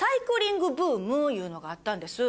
いうのがあったんです。